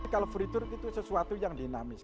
kalau furi tur itu sesuatu yang dinamis